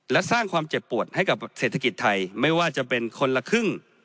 และสร้างความเจ็บปวดให้กับเศรษฐกิจไทยไม่ว่าจะเป็นคนละครึ่ง